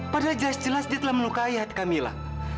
padahal jelas jelas dia telah melukai hati kamila